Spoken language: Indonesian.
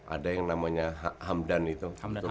ada yang namanya hamdan itu